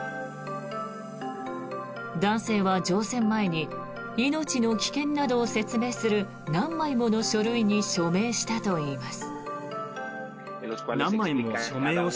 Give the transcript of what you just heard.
男性は乗船前に命の危険などを説明する何枚もの書類に署名したといいます。